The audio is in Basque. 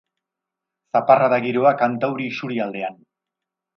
Zaparrada giroa kantauri isurialdean.